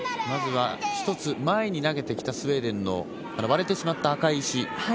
まずは１つ前に投げて来たスウェーデンの割れてしまった赤い石。